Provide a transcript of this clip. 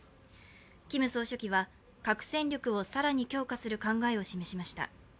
キム総書記は核戦力を更に強化する考えを示しました。